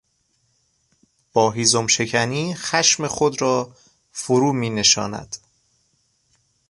با هیزمشکنی خشم خود را فرو مینشاند.